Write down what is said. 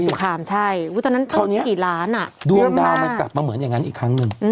สัตว์กิโลกรามใช่วันนั้นต้องได้กี่ล้านอ่ะเยอะมากดวงดาวมันกลับมาเหมือนอย่างงันอีกครั้งหนึ่ง